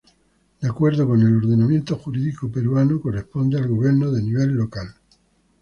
De acuerdo con el ordenamiento jurídico peruano, corresponden al gobierno de nivel local.